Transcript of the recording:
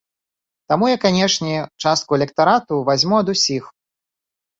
Таму, я, канешне, частку электарату вазьму ад усіх.